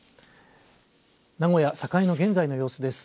名古屋、栄の現在の様子です。